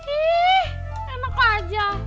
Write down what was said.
ih enak aja